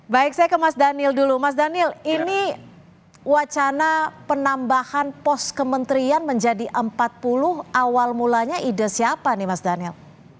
baik saya ke mas daniel dulu mas daniel ini wacana penambahan pos kementerian menjadi empat puluh awal mulanya ide siapa nih mas daniel